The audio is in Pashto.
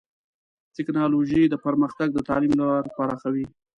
ټکنالوژي پرمختګ د تعلیم لار پراخوي.